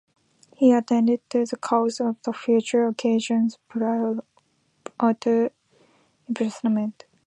He attended the course on further occasions prior to imprisonment.